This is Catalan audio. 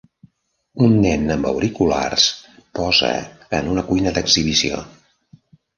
Un nen amb auriculars posa en una cuina d'exhibició.